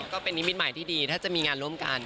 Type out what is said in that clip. ก็เป็นนิมิตใหม่ที่ดีถ้าจะมีงานร่วมกัน